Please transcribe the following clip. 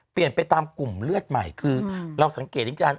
เปลี่ยนไปตามกลุ่มเลือดใหม่คือเราสังเกตจริง